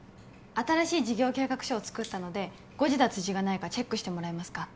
新しい事業計画書を作ったので誤字脱字がないかチェックしてもらえますか？